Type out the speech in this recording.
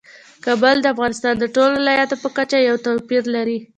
کابل د افغانستان د ټولو ولایاتو په کچه یو توپیر لري.